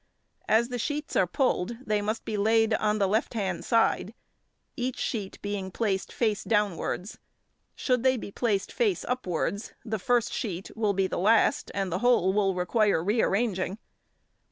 As the sheets are pulled they must be laid on the left hand side, each sheet being placed face downwards; should they be placed face upwards the first sheet will be the last and the whole will require rearranging.